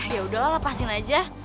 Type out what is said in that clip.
ya udahlah lepasin aja